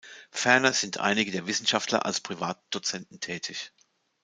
Ferner sind einige der Wissenschaftler als Privatdozenten tätig.